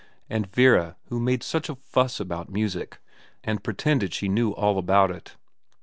And Vera who made such a fuss about music, and pretended she knew all about it.